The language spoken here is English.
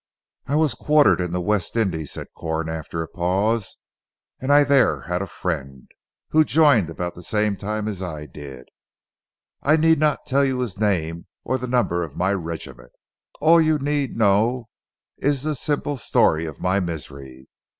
"I was quartered in the West Indies," said Corn after a pause, "and I there had a friend, who joined about the same time as I did. I need not tell you his name or the number of my regiment. All you need know is the simple story of my misery.